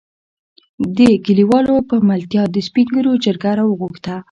دې کليوالو په ملتيا د سپين ږېرو جرګه راوغښته.